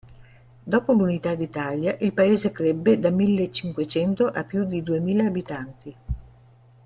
Dopo l'unità d'Italia il paese crebbe da millecinquecento a più di duemila abitanti.